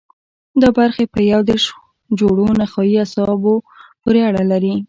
دا برخې په یو دېرش جوړو نخاعي عصبو پورې اړه لري.